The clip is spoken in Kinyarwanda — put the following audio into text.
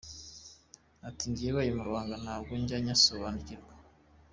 Ati “Njye ayo mabanga ntabwo njya nyasobanukirwa.